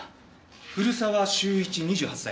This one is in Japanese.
古沢周一２８歳。